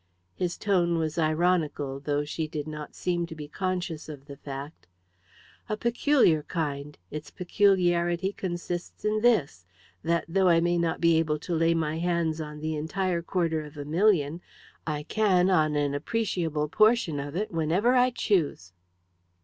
His tone was ironical, though she did not seem to be conscious of the fact. "A peculiar kind. Its peculiarity consists in this, that, though I may not be able to lay my hands on the entire quarter of a million, I can on an appreciable portion of it whenever I choose."